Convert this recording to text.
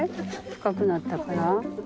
深くなったかな？